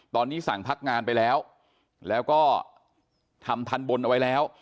ตอนนี้สั่งพักงานไปแล้วแล้วก็ทำทันบนเอาไว้แล้ว